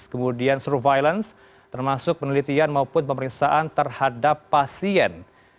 kemudian surveillance termasuk penelitian maupun pemeriksaan terhadap pasien